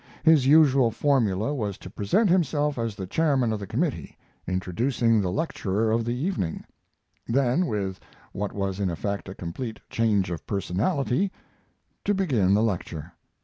His usual formula was to present himself as the chairman of the committee, introducing the lecturer of the evening; then, with what was in effect a complete change of personality, to begin his lecture.